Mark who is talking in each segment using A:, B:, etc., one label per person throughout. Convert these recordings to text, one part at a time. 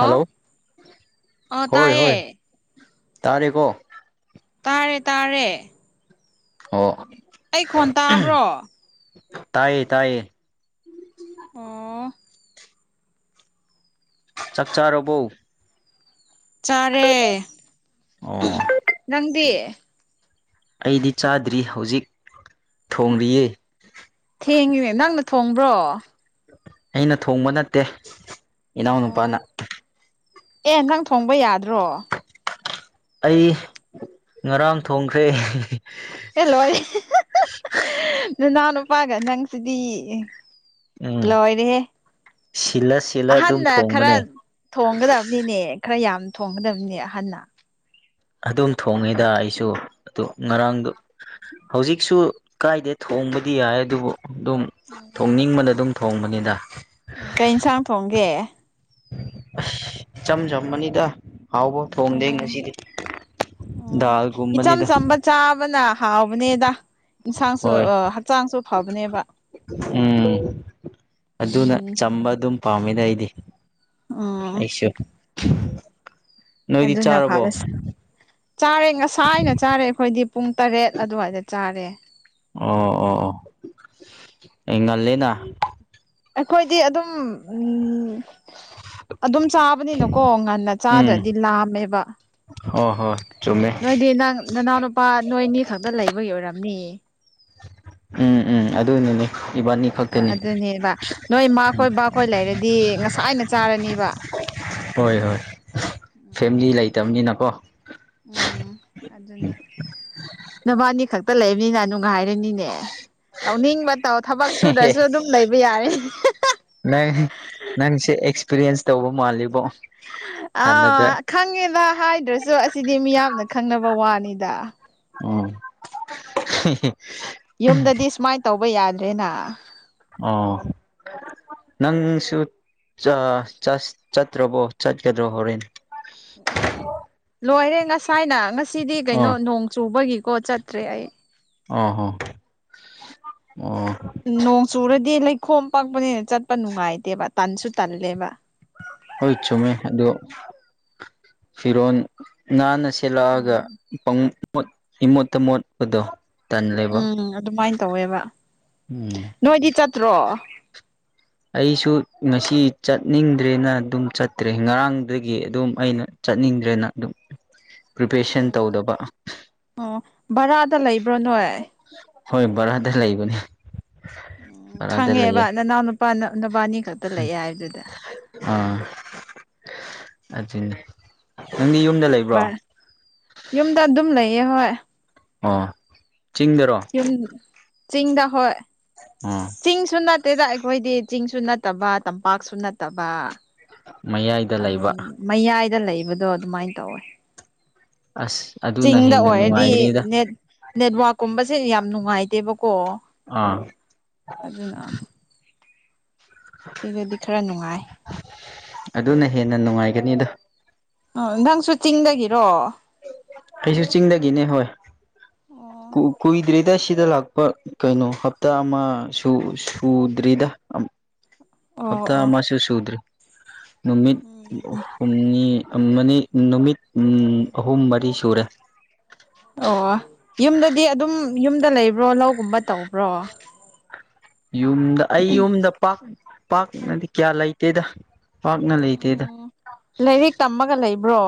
A: hello
B: ꯑꯥ
A: ꯍꯣꯏ
B: ꯇꯥꯏꯌꯦ
A: ꯍꯣꯏ ꯇꯥꯔꯦ ꯀꯣ
B: ꯇꯥꯔꯦ ꯇꯥꯔꯦ
A: ꯑꯣ
B: ꯑꯩ ꯈꯣꯟ ꯇꯥꯕ꯭ꯔꯣ
A: ꯇꯥꯏꯌꯦ ꯇꯥꯏꯌꯦ
B: ꯑꯣ
A: ꯆꯥꯛ ꯆꯥꯔꯕꯧ
B: ꯆꯥꯔꯦ
A: ꯑꯣ
B: ꯅꯪꯗꯤ
A: ꯑꯩꯗꯤ ꯆꯥꯗ꯭ꯔꯤ ꯍꯧꯖꯤꯛ ꯊꯣꯡꯔꯤꯌꯦ
B: ꯊꯦꯡꯉꯤꯅꯦ ꯅꯪꯅ ꯊꯣꯡꯕ꯭ꯔꯣ
A: ꯑꯩꯅ ꯊꯣꯡꯕ ꯅꯠꯇꯦ
B: ꯑꯣ
A: ꯏꯅꯥꯎꯅꯨꯄꯥꯅ
B: ꯑꯦ ꯅꯪ ꯊꯣꯡꯕ ꯌꯥꯗ꯭ꯔꯣ
A: ꯑꯩ ꯉꯔꯥꯡ ꯊꯣꯡꯈ꯭ꯔꯦ
B: ꯑꯦ ꯂꯣꯏꯔꯦ ꯅꯅꯥꯎ ꯅꯨꯄꯥꯒ ꯅꯪꯁꯤꯗꯤ
A: ꯎꯝ
B: ꯂꯣꯏꯔꯦꯍꯦ
A: ꯁꯤꯜꯂ ꯁꯤꯜꯂ ꯑꯗꯨꯝ
B: ꯑꯥꯍꯟꯅ ꯈꯔ
A: ꯊꯣꯡꯕꯅꯦ
B: ꯊꯣꯡꯒꯗꯝꯅꯤꯅꯦ ꯈꯔ ꯌꯥꯝ ꯊꯣꯡꯒꯗꯝꯅꯦ ꯑꯍꯟꯅ
A: ꯑꯗꯨꯝ ꯊꯣꯡꯉꯦꯗ ꯑꯩꯁꯨ ꯑꯗꯣ ꯉꯔꯥꯡꯗꯣ ꯍꯧꯖꯤꯛꯁꯨ ꯀꯥꯏꯗꯦ ꯊꯣꯡꯕꯗꯤ ꯌꯥꯏ ꯑꯗꯨꯕꯨ ꯗꯨꯝ ꯊꯣꯡꯅꯤꯡꯕꯅ ꯑꯗꯨꯝ ꯊꯣꯡꯕꯅꯦꯗ
B: ꯎꯝ ꯀꯩ ꯏꯟꯁꯥꯡ ꯊꯣꯡꯒꯦ
A: ꯑꯁ ꯏꯆꯝ ꯆꯝꯕꯅꯤꯗ ꯍꯥꯎꯕ ꯊꯣꯡꯗꯦ ꯉꯁꯤꯗꯤ
B: ꯎꯝ ꯏꯆꯝ
A: ꯗꯥꯜꯒꯨꯝꯕꯅꯤꯗ
B: ꯆꯝꯕ ꯆꯥꯕꯅ ꯍꯥꯎꯕꯅꯦꯗ ꯏꯟꯁꯥꯡꯁꯨ
A: ꯍꯣꯏ
B: ꯑ ꯍꯛꯆꯥꯡꯁꯨ ꯐꯕꯅꯦꯕ
A: ꯎꯝ ꯑꯗꯨꯅ
B: ꯎꯝ
A: ꯆꯝꯕ ꯑꯗꯨꯝ ꯄꯥꯝꯃꯦꯗ ꯑꯩꯗꯤ
B: ꯑꯣ
A: ꯑꯩꯁꯨ ꯅꯣꯏꯗꯤ
B: ꯑꯗꯨꯅ
A: ꯆꯥꯔꯕꯣ
B: ꯐꯥꯔꯦ ꯆꯥꯔꯦ ꯉꯁꯥꯏꯅ ꯆꯥꯔꯦ ꯑꯈꯣꯏꯗꯤ ꯄꯨꯡ ꯇꯔꯦꯠ ꯑꯗꯨꯋꯥꯏꯗ ꯆꯥꯔꯦ
A: ꯑꯣ ꯑꯣ ꯑꯣ ꯑꯦ ꯉꯜꯂꯦꯅ
B: ꯑꯩꯈꯣꯏꯗꯤ ꯑꯗꯨꯝ ꯎꯝ ꯑꯗꯨꯝ ꯆꯥꯕꯅꯤꯅꯀꯣ ꯉꯟꯅ ꯆꯥꯗ꯭ꯔꯗꯤ ꯂꯥꯝꯃꯦꯕ
A: ꯍꯣ ꯍꯣ ꯆꯨꯃꯦ
B: ꯅꯣꯏꯗꯤ ꯅꯪ ꯅꯅꯥꯎ ꯅꯨꯄꯥ ꯅꯣꯏꯅꯤ ꯈꯛꯇ ꯂꯩꯕꯒꯤ ꯑꯣꯏꯔꯝꯅꯤ
A: ꯎꯝ ꯎꯝ ꯑꯗꯨꯅꯤꯅꯦ ꯏꯕꯥꯅꯤ
B: ꯑ
A: ꯈꯛꯇꯅꯤ
B: ꯑꯗꯨꯅꯦꯕ ꯅꯣꯏ ꯃꯥ ꯈꯣꯏ ꯕꯥꯈꯣꯏ ꯂꯩꯔꯗꯤ ꯉꯁꯥꯏꯅ ꯆꯥꯔꯅꯦꯕ
A: ꯍꯣꯏ ꯍꯣꯏ ꯐꯦꯃꯤꯂꯤ ꯂꯩꯇꯕꯅꯤꯅꯀꯣ
B: ꯎꯝ ꯑꯗꯨꯅꯦ ꯅꯕꯥꯅꯤ ꯈꯛꯇ ꯂꯩꯕꯅꯤꯅ ꯅꯨꯡ ꯒꯥꯏꯔꯅꯤꯅꯦ ꯇꯧꯅꯤꯡꯕ ꯇꯧ ꯊꯕꯛ ꯁꯨꯗ꯭ꯔꯁꯨ ꯑꯗꯨꯝ ꯂꯩꯕ ꯌꯥꯔꯦ
A: ꯅꯪ ꯅꯪꯁꯦ ꯑꯦꯛꯁꯄꯤꯔꯤꯌꯦꯟꯁ ꯇꯧꯕ ꯃꯥꯜꯂꯤꯕꯣ ꯍꯥꯟꯅꯗ
B: ꯑꯥ ꯈꯪꯉꯦꯗ ꯍꯥꯏꯗ꯭ꯔꯁꯨ ꯑꯁꯤꯗꯤ ꯃꯤꯌꯥꯝꯅ ꯈꯪꯅꯕ ꯋꯥꯅꯤꯗ
A: ꯑꫭ ꯍꯤ ꯍꯤ
B: ꯌꯨꯝꯗꯗꯤ ꯁꯨꯃꯥꯏꯅ ꯇꯧꯕ ꯌꯥꯗ꯭ꯔꯦꯅ
A: ꯑꫭ ꯅꯪꯁꯨ ꯆꯠꯇ꯭ꯔꯕꯣ ꯆꯠꯀꯗ꯭ꯔꯣ ꯍꯣꯔꯦꯟ
B: ꯂꯣꯏꯔꯦ ꯉꯁꯥꯏꯅ ꯉꯁꯤꯗꯤ ꯀꯩꯅꯣ
A: ꯑꯣ
B: ꯅꯣꯡ ꯆꯨꯕꯒꯤꯀꯣ ꯆꯠꯇ꯭ꯔꯦ ꯑꯩ
A: ꯑꯧ ꯑꯧ ꯑꯣ
B: ꯅꯣꯡ ꯆꯨꯔꯗꯤ ꯂꯩꯈꯣꯝ ꯄꯛꯄꯅꯤꯅ ꯆꯠꯄ ꯅꯨꯡꯉꯥꯏꯇꯦꯕ ꯇꯟꯁꯨ ꯇꯜꯂꯦꯕ
A: ꯍꯣꯏ ꯆꯨꯝꯃꯦ ꯑꯗꯣ ꯐꯤꯔꯣꯟ ꯅꯥꯟꯅ ꯁꯦꯠꯂꯛꯑꯒ
B: ꯎꯝ
A: ꯄꯪ ꯃꯨꯠ ꯏꯃꯣꯠꯇ ꯃꯣꯠꯄꯗꯣ ꯇꯜꯂꯦꯕ
B: ꯎꯝ ꯑꯗꯨꯃꯥꯏꯅ ꯇꯧꯋꯦꯕ
A: ꯎꯝ
B: ꯅꯣꯏꯗꯤ ꯆꯠꯇ꯭ꯔꯣ
A: [inaudible] ꯑꯩꯁꯨ ꯉꯁꯤ ꯆꯠꯅꯤꯡꯗ꯭ꯔꯦꯅ ꯑꯗꯨꯝ ꯆꯠꯇ꯭ꯔꯦ ꯉꯔꯥꯡꯗꯒꯤ ꯑꯗꯨꯝ ꯑꯩꯅ ꯆꯠꯅꯤꯡꯗ꯭ꯔꯦꯅ ꯑꯗꯨꯝ ꯄ꯭ꯔꯤꯄꯦꯁꯟ
B: ꯎꯝ
A: ꯇꯧꯗꯕ
B: ꯑꯣ ꯚꯔꯥꯗ ꯂꯩꯕ꯭ꯔꯣ ꯅꯣꯏ
A: ꯍꯣꯏ ꯕꯔꯥꯗ ꯂꯩꯕꯅꯦ
B: ꯎ
A: ꯕꯔꯥꯗ
B: ꯈꯪꯉꯦꯕ ꯅꯅꯥꯎ ꯅꯨꯄꯥ ꯅꯨꯕꯥꯅꯤ
A: ꯎꯝ ꯑꯥ ꯑꯗꯨꯆꯅꯦ ꯅꯪꯒꯤ ꯌꯨꯝꯗ ꯂꯩ
B: ꯚ ꯌꯨꯝꯗ ꯑꯗꯨꯝ ꯂꯩꯌꯦ ꯍꯣꯏ
A: ꯑꯣ ꯆꯤꯡꯗꯔꯣ
B: ꯌꯨꯝ ꯆꯤꯡꯗ ꯍꯣꯏ
A: ꯑꯝ
B: ꯆꯤꯡꯁꯨ ꯅꯠꯇꯦꯗ ꯑꯩꯈꯣꯏꯗꯤ ꯆꯤꯡꯁꯨ ꯅꯠꯇꯕ ꯇꯝꯄꯥꯛꯁꯨ ꯅꯠꯇꯕ
A: ꯃꯌꯥꯏꯗ ꯂꯩꯕ
B: ꯑꯗꯨꯝ ꯃꯌꯥꯏꯗ ꯂꯩꯕꯗꯣ ꯑꯗꯨꯃꯥꯏꯅ ꯇꯧꯋꯦ
A: ꯑꯁ ꯑꯗꯨꯅ
B: ꯆꯤꯡꯗ
A: ꯍꯦꯟꯅ
B: ꯑꯣꯏꯔꯗꯤ
A: ꯅꯨꯡꯉꯥꯏꯒꯅꯤꯗ
B: ꯅꯦꯠꯋꯛꯀꯨꯝꯕꯁꯦ ꯌꯥꯝ ꯅꯨꯡꯉꯥꯏꯇꯦꯕꯀꯣ
A: ꯑꯥ
B: ꯑꯗꯨꯅ ꯁꯤꯗꯗꯤ ꯈꯔ ꯅꯨꯡꯉꯥꯏ
A: ꯑꯗꯨꯅ ꯍꯦꯟꯅ ꯅꯨꯡꯉꯥꯏꯒꯅꯤ ꯑꯗꯣ
B: ꯑꯣ ꯅꯊꯪꯁꯨ ꯆꯤꯡꯗꯒꯤꯔꯣ
A: ꯀꯩꯁꯨ ꯆꯤꯡꯗꯒꯤꯅꯦ ꯍꯣꯏ
B: ꯑꯣ
A: ꯀꯨꯏꯗ꯭ꯔꯤꯗ ꯁꯤꯗ ꯂꯥꯛꯄ ꯀꯩꯅꯣ ꯍꯞꯇꯥ ꯑꯃ ꯁꯨꯗ꯭ꯔꯤꯗ
B: ꯑꯣ
A: ꯍꯞꯇꯥ
B: ꯑꯣ
A: ꯃꯥꯁꯤꯁꯤ ꯎꯗ꯭ꯔꯦ ꯅꯨꯃꯤꯠ
B: ꯎꯝ
A: ꯍꯨꯝꯅꯤ ꯅꯨꯃꯤꯠ ꯑꯍꯨꯝ ꯃꯔꯤ ꯁꯨꯔꯦ
B: ꯑꯣ ꯌꯨꯝꯗꯗꯤ ꯑꯗꯨꯝ ꯌꯨꯝꯗ ꯂꯩꯕ꯭ꯔꯣ ꯂꯧꯒꯨꯝꯕ ꯇꯧꯕ꯭ꯔꯣ
A: ꯌꯨꯝꯗ ꯑꯩ ꯌꯨꯝꯗ ꯄꯥꯛ ꯄꯥꯛꯅꯗꯤ ꯀꯌꯥ ꯂꯩꯇꯦꯗ ꯄꯥꯛꯅ ꯂꯩꯇꯦꯗ
B: ꯎꯝ ꯂꯥꯏꯔꯤꯛ ꯇꯝꯃꯒ ꯂꯩꯕ꯭ꯔꯣ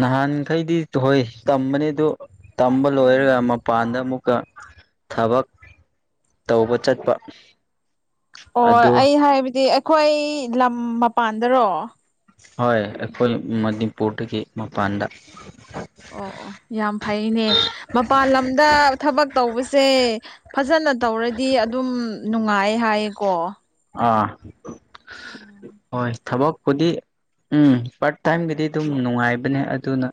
A: ꯅꯍꯥꯟꯈꯩꯗꯤ ꯍꯣꯏ ꯇꯝꯕꯅꯦ ꯑꯗꯨ ꯇꯝꯕ ꯂꯣꯏꯔꯒ ꯃꯄꯥꯟꯗ ꯑꯃꯨꯛꯀ ꯊꯕꯛ ꯇꯧꯕ ꯆꯠꯄ
B: ꯑꯣ
A: ꯑꯗꯨ
B: ꯑꯩ ꯍꯥꯏꯕꯗꯤ ꯑꯩꯈꯣꯏ ꯂꯝ ꯃꯄꯥꯟꯗꯔꯣ
A: ꯍꯣꯏ ꯑꯩꯈꯣꯏ ꯃꯅꯤꯄꯨꯔꯗꯒꯤ ꯃꯄꯥꯟꯗ
B: ꯑꯣ ꯑꯣ ꯌꯥꯝ ꯐꯩꯅꯦ ꯃꯄꯜ ꯂꯝꯗ ꯊꯕꯛ ꯇꯧꯕꯁꯦ ꯐꯖꯅ ꯇꯧꯔꯗꯤ ꯑꯗꯨꯝ ꯅꯨꯡꯉꯥꯏ ꯍꯥꯏꯌꯦꯀꯣ
A: ꯑꯥ ꯍꯣꯏ ꯊꯕꯛꯄꯨꯗꯤ ꯎꯝ ꯄꯥꯔꯠ ꯇꯥꯏꯝꯒꯤꯗꯤ ꯑꯗꯨꯝ ꯅꯨꯡꯉꯥꯏꯕꯅꯦ ꯑꯗꯨꯅ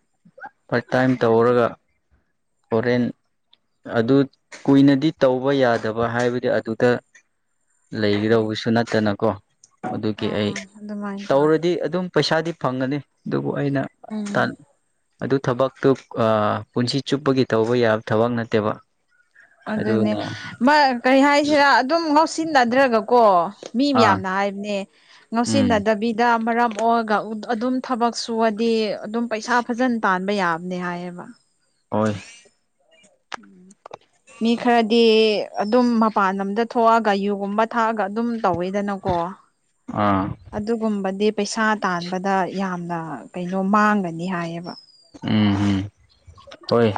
A: ꯐꯔꯠ ꯇꯥꯏꯝ ꯇꯧꯔꯒ ꯍꯣꯔꯦꯟ ꯑꯗꯨ ꯀꯨꯏꯅꯗꯤ ꯇꯧꯕ ꯌꯥꯗꯕ ꯍꯥꯏꯕꯗꯤ ꯑꯗꯨꯗ ꯂꯩꯒꯗꯧꯕꯁꯨ ꯅꯠꯇꯅꯀꯣ ꯑꯗꯨꯒꯤ
B: ꯑꯥ
A: ꯑꯩ
B: ꯑꯥ ꯑꯗꯨꯃꯥꯏꯅ ꯇꯧ
A: ꯇꯧꯔꯗꯤ ꯑꯗꯨꯝ ꯄꯩꯁꯥꯗꯤ ꯐꯪꯒꯅꯤ ꯑꯗꯨꯕꯨ ꯑꯩꯅ
B: ꯎꯝ
A: ꯑꯗꯨ ꯊꯕꯛꯇꯨ ꯄꯨꯟꯁꯤ ꯆꯨꯞꯄꯒꯤ ꯇꯧꯕ ꯌꯥꯕ ꯊꯕꯛ ꯅꯠꯇꯦꯕ
B: ꯑꯗꯨꯅꯦ
A: ꯑꯗꯨꯅ
B: ꯀꯔꯤ ꯍꯥꯏꯁꯤꯔꯥ ꯑꯗꯨꯝ ꯉꯥꯎꯁꯤꯟꯅꯗ꯭ꯔꯒꯣ ꯀꯣ ꯃꯤ
A: ꯑꯥ
B: ꯃꯌꯥꯝꯅ ꯍꯥꯏꯕꯅꯦ
A: ꯎꯝ
B: ꯉꯥꯎꯁꯤꯟꯅꯗꯕꯤ ꯁꯤꯗ ꯃꯔꯝ ꯑꯣꯏꯔꯒ ꯑꯗꯨꯝ ꯊꯕꯛ ꯁꯨꯑꯗꯤ ꯑꯗꯨꯝ ꯄꯩꯁꯥ ꯐꯖꯅ ꯇꯥꯟꯕ ꯌꯥꯕꯅꯦ ꯍꯥꯏꯌꯦꯕ
A: ꯍꯣꯏ [inaudible]
B: ꯃꯤ ꯈꯔꯗꯤ ꯑꯗꯨꯝ ꯃꯄꯥꯟ ꯑꯗ ꯊꯣꯛꯑꯒ ꯌꯨꯒꯨꯝꯕ ꯊꯥꯛꯑꯒ ꯑꯗꯨꯝ ꯇꯧꯋꯤꯗꯅꯀꯣ
A: ꯑꯥ
B: ꯑꯗꯨꯒꯨꯝꯕꯗꯤ ꯄꯩꯁꯥ ꯇꯥꯟꯕꯗ ꯌꯥꯝꯅ ꯀꯩꯅꯣ ꯃꯥꯡꯒꯅꯤ ꯍꯥꯏꯌꯦꯕ
A: ꯎꯝ ꯎꯝ ꯍꯣꯏ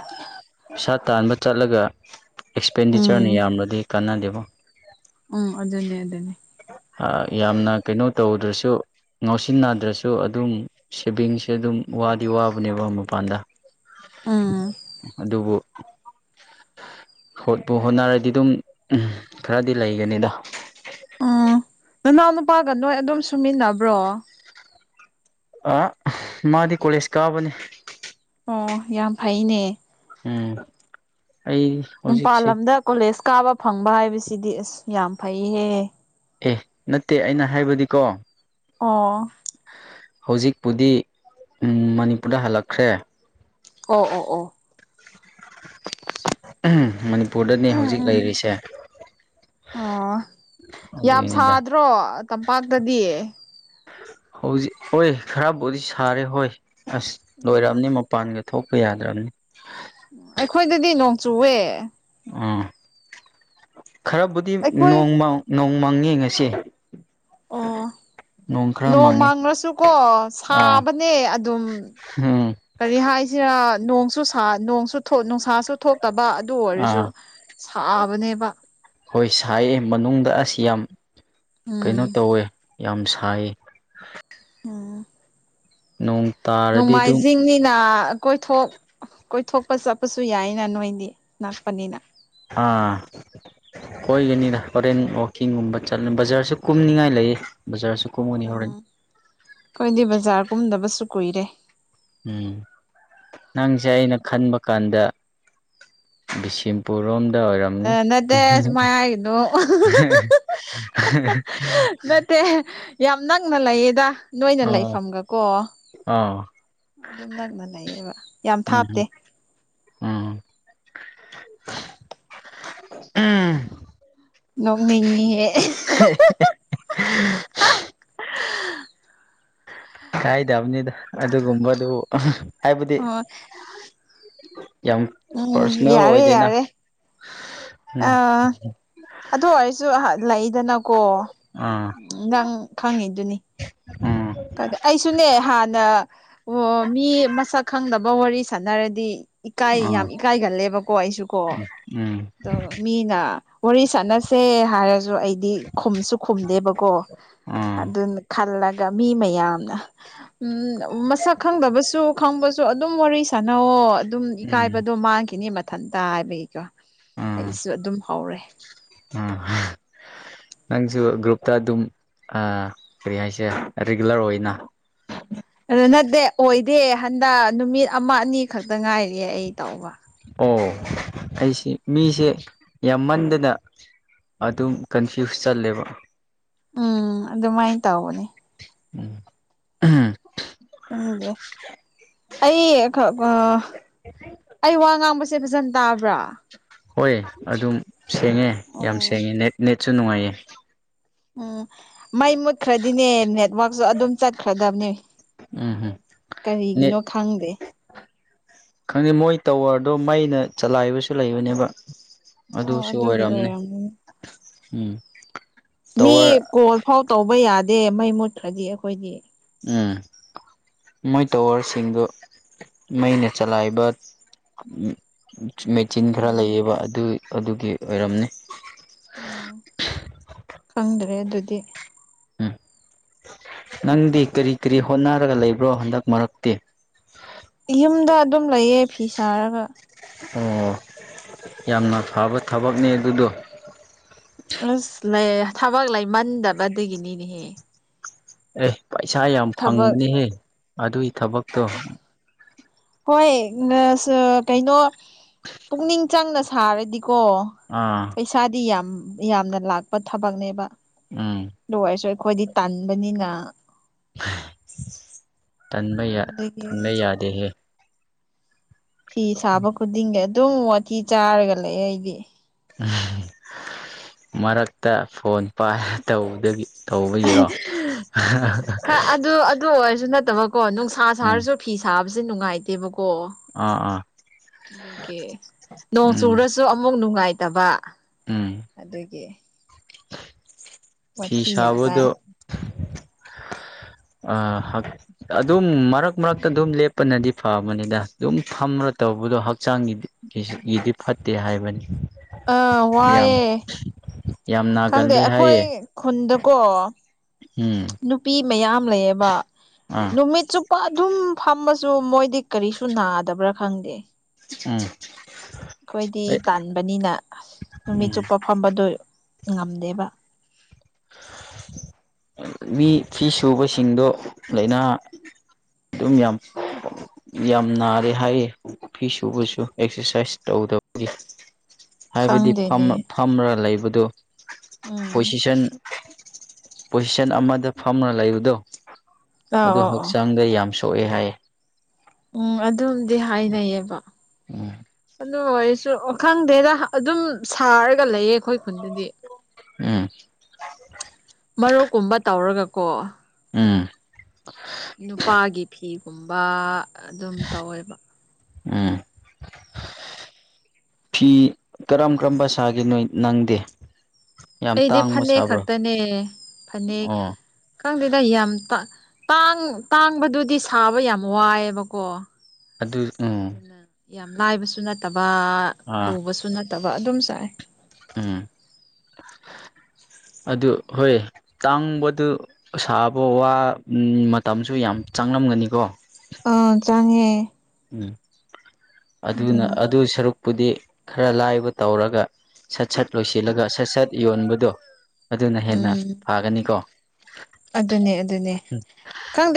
A: ꯄꯩꯁꯥ ꯇꯥꯟꯕ ꯆꯠꯂꯒ ꯑꯦꯛꯁꯄꯦꯟꯗꯤꯆꯔꯅ
B: ꯎꯝ
A: ꯌꯥꯝꯅꯗꯤ ꯀꯥꯟꯅꯗꯦꯕ
B: ꯎꯝ ꯑꯗꯨ ꯑꯗꯨꯅꯦ ꯑꯗꯨꯅꯦ
A: ꯌꯥꯝꯅ ꯀꯩꯅꯣ ꯇꯧꯗ꯭ꯔꯁꯨ ꯉꯥꯎꯁꯤꯟꯅꯗ꯭ꯔꯁꯨ ꯑꯗꯨꯝ ꯁꯦꯚꯤꯡꯁꯦ ꯑꯗꯨꯝ ꯋꯥꯗꯤ ꯋꯥꯕꯅꯦꯕ ꯃꯄꯥꯟꯗ
B: ꯑꯥ
A: ꯑꯗꯨꯕꯨ ꯍꯣꯠꯄꯨ ꯍꯣꯠꯅꯔꯗꯤ ꯑꯗꯨꯝ ꯈꯔꯗꯤ ꯂꯩꯒꯅꯤꯗ
B: ꯎ ꯅꯅꯥꯎ ꯅꯨꯄꯥꯒ ꯅꯣꯏ ꯑꯗꯨꯝ ꯁꯨꯃꯤꯟꯅꯕ꯭ꯔꯣ
A: ꯑ ꯃꯥꯗꯤ ꯀꯣꯂꯦꯖ ꯀꯥꯕꯅꯤ
B: ꯑꯣ ꯌꯥꯝ ꯐꯩꯅꯦ
A: ꯎꯝ ꯑꯩ
B: ꯃꯄꯥꯜ
A: ꯍꯧꯖꯤꯛꯁꯦ
B: ꯂꯝꯗ ꯀꯣꯂꯦꯖ ꯀꯥꯕ ꯐꯪꯕ ꯍꯥꯏꯕꯁꯤꯗꯤ ꯑꯁ ꯌꯥꯝ ꯐꯩꯍꯦ
A: ꯑꯦ ꯅꯠꯇꯦ ꯑꯩꯅ ꯍꯥꯏꯕꯗꯤꯀꯣ
B: ꯑꯣ
A: ꯍꯧꯖꯤꯛꯄꯨꯗꯤ ꯃꯅꯤꯄꯨꯔꯗ ꯍꯜꯂꯛꯈ꯭ꯔꯦ
B: ꯑꯣ ꯑꯣ ꯑꯣ
A: ꯃꯅꯤꯄꯨꯔꯗꯅꯦ
B: ꯎꯝ
A: ꯍꯧꯖꯤꯛ
B: ꯎꯝ
A: ꯂꯩꯔꯤꯁꯦ
B: ꯑꯣ ꯌꯥꯝ
A: ꯑꯗꯨꯒꯤꯅꯤꯗ
B: ꯁꯥꯗ꯭ꯔꯣ ꯇꯝꯄꯥꯛꯇꯗꯤ
A: ꯍꯧꯖꯤꯛ ꯍꯣꯏ ꯈꯔꯕꯨꯗꯤ ꯁꯥꯔꯦ ꯍꯣꯏ ꯑꯁ
B: ꯎꯝ
A: ꯂꯣꯏꯔꯝꯅꯤ ꯃꯄꯥꯟꯒ ꯊꯣꯛꯄ ꯌꯥꯗ꯭ꯔꯕꯅꯤ
B: ꯑꯩꯈꯣꯏꯗꯗꯤ ꯅꯣꯡꯆꯨꯑꯦ
A: ꯎꯥ ꯈꯔꯕꯨꯗꯤ
B: ꯑꯩꯈꯣꯏ
A: ꯅꯣꯡꯃ ꯅꯣꯡꯃꯪ ꯌꯦꯡꯉꯁꯤ
B: ꯑꯣ
A: [unintelligible]
B: ꯅꯣꯡ
A: ꯃꯪꯉꯦ
B: ꯃꯥꯡꯂꯁꯨꯀꯣ
A: ꯑꯥ
B: ꯁꯥꯕꯅꯦ ꯑꯗꯨꯝ
A: ꯎꯝ
B: ꯀꯔꯤ ꯍꯥꯏꯁꯤꯔꯥ ꯅꯣꯡꯁꯨ ꯁꯥ ꯅꯣꯡꯁꯨ ꯊ ꯅꯨꯡꯁꯥ ꯆꯨ ꯊꯣꯛꯇꯕ ꯑꯗꯨ ꯑꯣꯏꯔꯁꯨ
A: ꯑꯥ
B: ꯁꯥꯕꯅꯦꯕ
A: ꯍꯣꯏ ꯁꯥꯏꯌꯦ ꯃꯅꯨꯡꯗ ꯑꯁ ꯌꯥꯝ ꯀꯩꯅꯣ
B: ꯎꯝ
A: ꯇꯧꯋꯦ ꯌꯥꯝ ꯁꯥꯏꯌꯦ
B: ꯑꯥ
A: ꯅꯣꯡ ꯇꯥꯔꯗꯤ ꯑꯗꯨꯝ
B: ꯅꯅꯨꯡꯃꯥꯏꯖꯤꯡꯅꯤꯅ ꯀꯣꯏꯊꯣꯛ ꯀꯣꯏꯊꯣꯛꯄ ꯆꯠꯄꯁꯨ ꯌꯥꯏꯅ ꯅꯣꯏꯗꯤ ꯅꯛꯄꯅꯤꯅ
A: ꯑꯥ ꯀꯣꯏꯒꯅꯤꯗ ꯍꯣꯔꯦꯟ ꯋꯥꯛꯀꯤꯡꯒꯨꯝꯕ ꯆꯠꯂ ꯕꯖꯥꯔꯁꯨ ꯀꯨꯝꯅꯤꯡꯉꯥꯏ ꯂꯩꯌꯦ ꯕꯖꯥꯔꯁꯨ ꯀꯨꯝꯒꯅꯤ
B: ꯑꯣ
A: ꯍꯣꯔꯦꯟ
B: ꯑꯩꯈꯣꯏꯗꯤ ꯕꯖꯥꯔꯒꯨꯝꯗꯕꯁꯨ ꯀꯨꯏꯔꯦ
A: ꯎꯝ ꯅꯪꯁꯦ ꯑꯩꯅ ꯈꯟꯕ ꯀꯥꯟꯗ ꯕꯤꯁꯤꯝ ꯄꯨꯔꯣꯝꯗ ꯑꯣꯏꯔꯝꯅꯤ
B: ꯑꯦ ꯅꯠꯇꯦ ꯁꯨꯃꯥꯏ ꯍꯥꯏꯒꯅꯨ ꯦ ꯌꯥꯝ ꯅꯪꯅ ꯂꯩꯌꯦꯗ ꯅꯣꯏꯅ
A: ꯑꯥ
B: ꯂꯩꯐꯝꯒꯀꯣ
A: ꯑꯥ
B: ꯑꯗꯨꯝ ꯅꯛꯅ ꯂꯩꯌꯦꯕ ꯌꯥꯝ ꯊꯥꯞꯇꯦ
A: ꯎꯝ ꯎꯝ ꯎꯝ
B: ꯅꯣꯡꯅꯤ
A: ꯍ ꯀꯥꯏꯗꯕꯅꯤꯗ ꯑꯗꯨꯒꯨꯝꯕꯗꯨ ꯍꯥꯏꯕꯗꯤ
B: ꯑꯣ
A: ꯌꯥꯝ
B: ꯎꯝ
A: ꯄꯥꯔꯁꯅꯦꯜ
B: ꯌꯥꯔꯦ
A: ꯑꯣꯏꯗꯦꯅ
B: ꯌꯥꯔꯦ
A: ꯎꯝ
B: ꯑꯥ ꯑꯗꯨ ꯑꯣꯏꯔꯁꯨ ꯂꯩꯗꯅꯀꯣ
A: ꯑꯥ
B: ꯅꯪ ꯈꯪꯉꯤꯗꯨꯅꯤ
A: ꯎꯝ
B: ꯑꯩꯁꯨꯅꯦ ꯍꯥꯟꯅ ꯑꯣ ꯃꯤ ꯃꯁꯛ ꯈꯪꯗꯕ ꯋꯥꯔꯤ ꯁꯥꯟꯅꯔꯗꯤ ꯏꯀꯥꯏ
A: ꯑꯥ
B: ꯌꯥꯝ ꯏꯀꯥꯏꯒꯜꯂꯦꯕꯀꯣ ꯑꯩꯁꯨꯀꯣ
A: ꯎꯝ
B: ꯑꯗꯣ ꯃꯤꯅ ꯋꯥꯔꯤ ꯆꯥꯟꯁꯦ ꯍꯔ ꯑꯩꯗꯤ ꯈ ꯈꯨꯝꯗꯦꯕꯀꯣ
A: ꯑꯥ
B: ꯑꯗꯨ ꯈ ꯃꯤ ꯃꯌꯥꯝꯅ ꯎꯝ ꯃꯁꯛ ꯈꯪꯗꯕꯁꯨ ꯈꯪꯕꯁꯨ ꯑꯗꯨꯝ ꯋꯥꯔꯤ ꯁꯥꯟꯅꯋꯣ ꯑꯗꯨꯝ
A: ꯎꯝ
B: ꯏꯀꯥꯏꯕꯗꯣ ꯃꯥꯡꯈꯤꯅꯤ ꯃꯊꯟꯇ ꯍꯥꯏꯕꯒꯤꯀꯣ ꯑꯩꯁꯨ ꯑꯗꯨꯝ ꯍꯧꯔꯦ
A: ꯎꯝ ꯅꯪꯁꯨ ꯒ꯭ꯔꯨꯞꯇ ꯑꯗꯨꯝ ꯀꯔꯤ ꯍꯥꯏꯁꯦ ꯔꯤꯒꯨꯂꯔ ꯑꯣꯏꯅ
B: ꯑꯗꯨ ꯅꯠꯇꯦ ꯑꯣꯏꯗꯦ ꯍꯟꯗꯛ ꯅꯨꯃꯤꯠ ꯑꯃ ꯑꯅꯤ ꯈꯛꯇ ꯉꯥꯏꯔꯤꯑꯦ ꯑꯩ ꯇꯧꯕ
A: ꯑꯣ ꯑꯩꯁꯤ ꯃꯤꯁꯦ ꯌꯥꯝꯃꯟꯗꯅ ꯑꯗꯨꯝ ꯀꯟꯐ꯭ꯌꯨꯁ ꯆꯜꯂꯦꯕ
B: ꯎꯝ ꯑꯗꯨꯃꯥꯏꯅ ꯇꯧꯕꯅꯦ
A: ꯎꯝ
B: [unintelligible] ꯑꯩ ꯈꯛ ꯑ ꯑꯩ ꯋꯥ ꯉꯥꯡꯕꯁꯦ ꯐꯖꯅ ꯇꯥꯕ꯭ꯔꯥ
A: ꯍꯣꯏ ꯑꯗꯨꯝ ꯁꯦꯡꯉꯦ ꯌꯥꯝ
B: ꯑꯣ
A: ꯁꯦꯡꯉꯦ ꯅꯦꯠ ꯅꯦꯠꯁꯨ ꯅꯨꯡꯉꯥꯏꯌꯦ
B: ꯎꯝ ꯃꯩ ꯃꯨꯠꯈ꯭ꯔꯗꯤꯅꯦ ꯅꯦꯠꯋꯥꯛꯛꯁꯨ ꯑꯗꯨꯝ ꯆꯠꯈ꯭ꯔꯗꯕꯅꯦ
A: ꯎꯝ ꯍꯝ
B: ꯀꯔꯤꯒꯤꯅꯣ ꯈꯪꯗꯦ
A: ꯈꯪꯉꯦ ꯃꯣꯏ ꯇꯋꯥꯔꯗꯣ ꯃꯩꯅ ꯆꯂꯥꯏꯕꯁꯨ ꯂꯩꯕꯅꯦꯕ
B: ꯑꯣ
A: ꯑꯗꯨꯁꯨ
B: ꯑꯗꯨꯒꯤ
A: ꯑꯣꯏꯔꯝꯅꯦ
B: ꯑꯣꯏꯔꯝꯅꯤ
A: ꯎꯝ
B: ꯃꯤ
A: ꯇꯋꯔ
B: ꯀꯣꯜ ꯐꯥꯎ ꯇꯧꯕ ꯌꯥꯗꯦ ꯃꯩ ꯃꯨꯠꯈ꯭ꯔꯗꯤ ꯑꯩꯈꯣꯏꯗꯤ
A: ꯎꯝ ꯃꯣꯏ ꯇꯋꯥꯔꯁꯤꯡꯗꯨ ꯃꯩꯅ ꯆꯂꯥꯏꯕ ꯃꯦꯆꯤꯟ ꯈꯔ
B: ꯎꯝ
A: ꯂꯩꯌꯦꯕ ꯑꯗꯨ ꯑꯗꯨꯒꯤ ꯑꯣꯏꯔꯝꯅꯤ
B: ꯎꯝ ꯈꯪꯗ꯭ꯔꯦ ꯑꯗꯨꯗꯤ
A: ꯎꯝ ꯅꯪꯗꯤ ꯀꯔꯤ ꯀꯔꯤ ꯍꯣꯠꯅꯔꯒ ꯂꯩꯕ꯭ꯔꯣ ꯍꯟꯗꯛ ꯃꯔꯛꯇꯤ
B: ꯌꯨꯝꯗ ꯑꯗꯨꯝ ꯂꯩꯌꯦ ꯐꯤ ꯁꯥꯔꯒ
A: ꯑꯣ ꯌꯥꯝꯅ ꯐꯕ ꯊꯕꯛꯅꯦ ꯑꯗꯨꯗꯣ
B: ꯑꯁ ꯂꯩ ꯊꯕꯛ ꯂꯩꯃꯟꯗꯕꯗꯒꯤꯅꯤꯅꯦꯍꯦ
A: ꯑꯦ ꯄꯩꯁꯥ ꯌꯥꯝ
B: ꯊꯕꯛ
A: ꯐꯪꯕꯅꯦꯍꯦ ꯑꯗꯨꯏ ꯊꯕꯛ
B: ꯍꯣꯏ ꯅ ꯁ ꯀꯩꯅꯣ ꯄꯨꯛꯅꯤꯡ ꯆꯪꯅ ꯁꯥꯔꯗꯤꯀꯣ
A: ꯑꯥ
B: ꯄꯩꯁꯥꯗꯤ ꯌꯥꯝ ꯌꯥꯝꯅ ꯂꯥꯛꯄ ꯊꯕꯛꯅꯦꯕ
A: ꯎꯝ
B: ꯑꯗꯨ ꯑꯣꯏꯔꯁꯨ ꯑꯩꯈꯣꯏꯗꯤ ꯇꯥꯟꯕꯅꯤꯅ
A: ꯇꯟꯕ ꯌꯥ
B: ꯑꯗꯒꯤ
A: ꯇꯟꯕ ꯌꯥꯗꯦꯍꯦ
B: ꯐꯤ ꯁꯥꯕ ꯈꯨꯗꯤꯡꯒꯤ ꯑꯗꯨꯝ ꯋꯥꯊꯤ ꯆꯥꯔꯒ ꯂꯩꯌꯦ ꯑꯩꯗꯤ
A: ꯃꯔꯛꯇ ꯐꯣꯟ ꯄꯥꯏ ꯇꯧꯕꯗꯒꯤ ꯇꯧꯕꯒꯤꯔꯣ
B: ꯈꯥ ꯑꯗꯨ ꯑꯗꯨ ꯑꯣꯏꯔꯁꯨ ꯅꯠꯇꯕꯀꯣ ꯅꯨꯡꯁꯥ
A: ꯎꯝ
B: ꯁꯥꯔꯁꯨ ꯐꯤ ꯁꯥꯕꯁꯦ ꯅꯨꯡꯉꯥꯏꯇꯦꯕꯀꯣ
A: ꯑꯥ ꯑꯥ
B: ꯑꯗꯨꯒꯤ ꯅꯣꯡ
A: ꯎꯝ
B: ꯆꯨꯔ ꯁꯨ ꯑꯃꯨꯛ ꯅꯨꯡꯉꯥꯏꯇꯕ
A: ꯎꯝ
B: ꯑꯗꯨꯒꯤ
A: ꯐꯤ
B: ꯋꯥꯊꯤ ꯌꯥꯝ ꯆꯥꯏ
A: ꯁꯥꯕꯗꯣ ꯑꯥ ꯍꯛ ꯑꯗꯨꯝ ꯃꯔꯛ ꯃꯔꯛꯇ ꯑꯗꯨꯝ ꯂꯦꯞꯄꯅꯗꯤ ꯐꯕꯅꯦꯗ ꯑꯗꯨꯝ ꯐꯝꯃꯥ ꯇꯧꯕꯗꯣ ꯍꯛꯆꯥꯡꯒꯤꯗꯤ ꯀꯦꯁꯨꯀꯤꯗꯤ ꯐꯠꯇꯦ ꯍꯥꯏꯕꯅꯤ
B: ꯑ
A: ꯌꯥꯝ
B: ꯋꯥꯏꯌꯦ
A: ꯌꯥꯝ
B: ꯈꯪꯗꯦ
A: ꯅꯥꯒꯜꯂꯦ
B: ꯑꯩꯈꯣꯏ
A: ꯍꯥꯏꯌꯦ
B: ꯈꯨꯟꯗꯀꯣ
A: ꯎꯝ
B: ꯅꯨꯄꯤ ꯃꯌꯥꯝ ꯂꯩꯌꯦꯕ
A: ꯑꯥ
B: ꯅꯨꯃꯤꯠꯆꯨꯞ ꯄ ꯑꯗꯨꯝ ꯐꯝꯃꯁꯨ ꯃꯣꯏꯗꯤ ꯀꯔꯤꯁꯨ ꯅꯥꯗꯕ꯭ꯔꯥ ꯈꯪꯗꯦ
A: ꯎꯝ
B: ꯑꯩꯈꯣꯏꯗꯤ ꯇꯥꯟꯕꯅꯤꯅ ꯅꯨꯃꯤꯠ
A: ꯎꯝ
B: ꯆꯨꯞꯄ ꯐꯝꯕꯗꯨ ꯉꯝꯗꯦꯕ
A: ꯃꯤ ꯐꯤ ꯁꯨꯕꯁꯤꯡꯗꯣ ꯂꯩꯅꯥ ꯑꯗꯨꯝ ꯌꯥꯝ ꯄꯣ ꯌꯥꯝ ꯅꯥꯔꯦ ꯍꯥꯏꯌꯦ ꯐꯤ ꯁꯨꯕꯁꯨ ꯑꯦꯛꯁꯔꯁꯥꯏ꯭ꯁ ꯇꯧꯗꯕꯒꯤ ꯍꯥꯏꯕꯗꯤ
B: ꯈꯪꯗꯦꯅꯦ
A: ꯐꯝꯃꯥ ꯐꯝꯔꯥ ꯂꯩꯕꯗꯨ
B: ꯎꯝ
A: ꯄꯣꯏꯁꯤꯁꯟ ꯄꯣꯖꯤꯁꯟ ꯑꯃꯗ ꯐꯝꯔꯥ ꯂꯩꯕꯗꯣ
B: ꯑ ꯑꯣ
A: ꯑꯗꯨ
B: ꯑꯣ
A: ꯍꯛꯆꯥꯡꯗ ꯌꯥꯝ ꯁꯣ ꯁꯣꯛꯑꯦ ꯍꯥꯏꯌꯦ
B: ꯎꯝ ꯑꯗꯨꯝꯗꯤ ꯍꯥꯏꯅꯩꯌꯦꯕ ꯑ
A: ꯎꯝ
B: ꯑꯗꯨ ꯑꯣꯏꯔꯁꯨ ꯑꯣ ꯈꯪꯗꯦꯗ ꯑꯗꯨꯝ ꯁꯥꯔꯒ ꯂꯩꯌꯦ ꯑꯩꯈꯣꯏ ꯈꯨꯟꯗꯗꯤ
A: ꯎꯝ
B: ꯃꯔꯣꯛꯀꯨꯝꯕ ꯇꯧꯔꯒꯀꯣ
A: ꯎꯝ
B: ꯅꯨꯄꯥꯒꯤ ꯐꯤꯒꯨꯝꯕ ꯑꯗꯨꯝ ꯇꯧꯋꯦꯕ
A: ꯎꯝ ꯐꯤ ꯀꯔꯝ ꯀ꯭ꯔꯝꯕ ꯁꯥꯒꯦ ꯅꯣꯏ ꯅꯪꯗꯤ ꯌꯥꯝ
B: ꯑꯩꯗꯤ
A: ꯇꯥꯡꯕ
B: ꯐꯅꯦꯛ
A: ꯁꯥꯕ꯭ꯔꯣ
B: ꯈꯛꯇꯅꯦ ꯐꯅꯦꯛ
A: ꯑꯣ
B: ꯈꯪꯗꯦꯗ ꯌꯥꯝ ꯇꯥ ꯇꯥꯡ ꯇꯥꯡꯕꯗꯨꯗꯤ ꯁꯥꯕ ꯌꯥꯝ ꯋꯥꯏꯌꯦꯕꯀꯣ
A: ꯑꯗꯨ ꯎꯝ
B: ꯌꯥꯝ ꯂꯥꯏꯕꯁꯨ ꯅꯠꯇꯕ
A: ꯑꯥ
B: ꯂꯨꯕꯁꯨ ꯅꯠꯇꯕ ꯑꯗꯨꯝ ꯁꯥꯏ
A: ꯎꯝ ꯑꯗꯨ ꯍꯣꯏ ꯇꯥꯡꯕꯗꯨ ꯁꯥꯕ ꯋꯥ ꯎꯝ ꯃꯇꯝꯁꯨ ꯌꯥꯝ ꯆꯥꯡꯂꯝꯒꯅꯤꯀꯣ
B: ꯑꯥ ꯆꯪꯉꯦ
A: ꯑꯗꯨꯅ ꯑꯗꯨꯏ ꯁꯔꯨꯛ ꯄꯨꯗꯤ ꯈꯔ ꯂꯥꯏꯕ ꯇꯧꯔꯒ ꯁꯠ ꯁꯠ ꯂꯣꯏꯁꯤꯜꯂꯒ ꯁꯠ ꯁꯠ ꯌꯣꯟꯕꯗꯣ ꯑꯗꯨꯅ ꯍꯦꯟꯅ
B: ꯎꯝ
A: ꯐꯥꯒꯅꯤꯀꯣ
B: ꯑꯗꯨꯅꯦ ꯑꯗꯨꯅꯦ ꯈꯪꯗꯦ